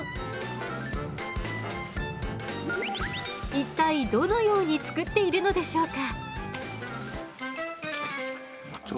一体どのように作っているのでしょうか？